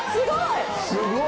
すごい！